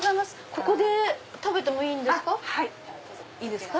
ここで食べてもいいんですか？